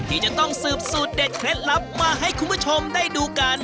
ที่จะต้องสืบสูตรเด็ดเคล็ดลับมาให้คุณผู้ชมได้ดูกัน